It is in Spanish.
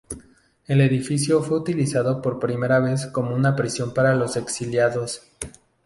El edificio fue utilizado por primera vez como una prisión para los exiliados.